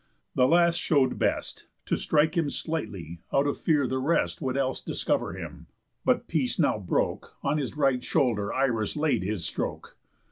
The last show'd best, To strike him slightly, out of fear the rest Would else discover him. But, peace now broke, On his right shoulder Irus laid his stroke.